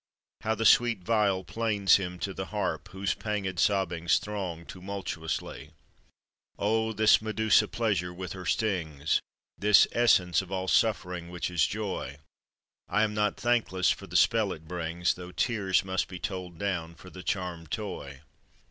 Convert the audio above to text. How the sweet viol plains him to the harp, Whose pangèd sobbings throng tumultuously. Oh, this Medusa pleasure with her stings! This essence of all suffering, which is joy! I am not thankless for the spell it brings, Though tears must be told down for the charmed toy.